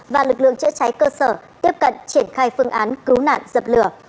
và lực lượng chữa cháy cơ sở tiếp cận triển khai phương án cứu nạn dập lửa